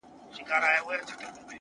وای هسې نه چي تا له خوبه و نه باسم’